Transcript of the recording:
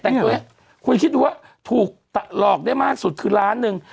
ตามทุกอย่างคุณคิดดูว่าถูกหลอกได้มากสุดคือล้านนึง